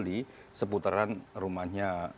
di seputaran rumahnya